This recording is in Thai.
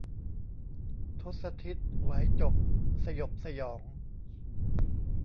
ทศทิศไหวจบสยบสยอง